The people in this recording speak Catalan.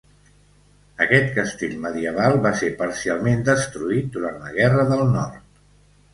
Aquest castell medieval va ser parcialment destruït durant la Guerra del Nord.